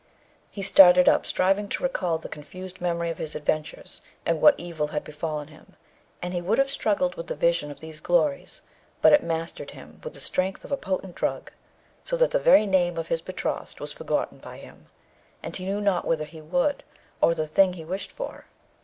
He started up, striving to recall the confused memory of his adventures and what evil had befallen him, and he would have struggled with the vision of these glories, but it mastered him with the strength of a potent drug, so that the very name of his betrothed was forgotten by him, and he knew not whither he would, or the thing he wished for.